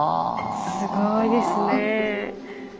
すごいですねえ。